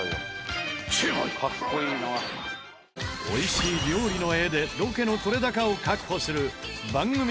美味しい料理の画でロケの撮れ高を確保する番組